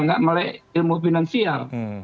nggak melek ilmu finansial